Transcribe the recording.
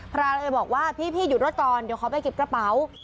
ราเลยบอกว่าพี่หยุดรถก่อนเดี๋ยวขอไปเก็บกระเป๋า